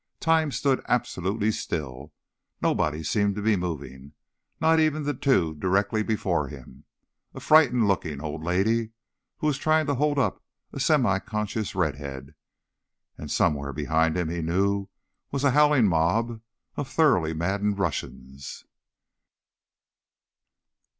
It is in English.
Time stood absolutely still, and nobody seemed to be moving—not even the two directly before him: a frightened looking little old lady, who was trying to hold up a semiconscious redhead. And, somewhere behind him, he knew, was a howling mob of thoroughly maddened Russians.